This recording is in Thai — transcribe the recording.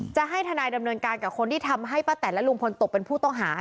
จะให้ทนายดำเนินการกับคนที่ทำให้ป้าแตนและลุงพลตกเป็นผู้ต้องหา